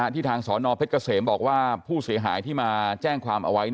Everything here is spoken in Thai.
ทางสนเพชรเกษมบอกว่าผู้เสียหายที่มาแจ้งความเอาไว้